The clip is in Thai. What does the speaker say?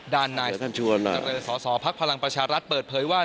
ด้านนายสศภพลังประชารัฐเปิดเผยว่า